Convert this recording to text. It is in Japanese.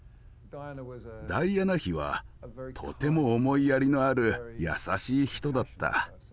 ダイアナ妃はとても思いやりのある優しい人だった。